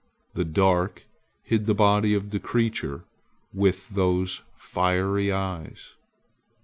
The dark hid the body of the creature with those fiery eyes.